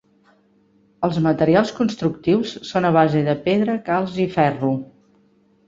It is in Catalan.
Els materials constructius són a base de pedra, calç i ferro.